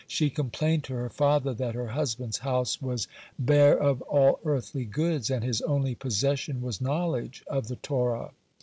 She complained to her father that her husband's house was bare of all earthly goods, and his only possession was knowledge of the Torah.